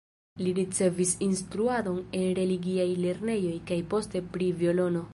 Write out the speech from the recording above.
Li ricevis instruadon en religiaj lernejoj kaj poste pri violono.